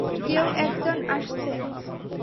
কেউ একজন আসছে।